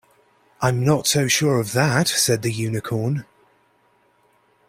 ‘I’m not so sure of that,’ said the Unicorn.